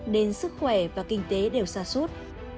nên sức khỏe và kinh tế đều xa suốt